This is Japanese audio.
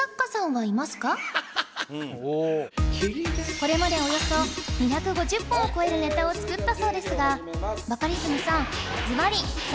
これまでおよそ２５０本を超えるネタを作ったそうですがバカリズムさんずばりそのお答えは？